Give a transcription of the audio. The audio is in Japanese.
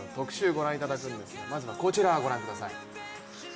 ご覧いただくんですがまずはこちらをご覧ください。